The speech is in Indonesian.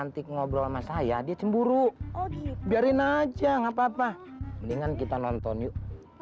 ngobrol sama saya dia cemburu biarin aja nggak papa mendingan kita nonton yuk